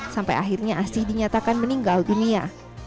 sampai akhirnya asih dinyatakan meninggal dunia